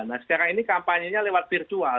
nah sekarang ini kampanyenya lewat virtual